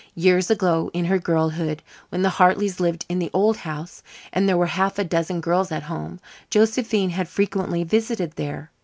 Years ago, in her girlhood, when the Hartley's lived in the old house and there were half a dozen girls at home, Josephine had frequently visited there.